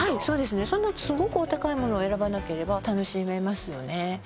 そんなすごくお高いものを選ばなければ楽しめますよね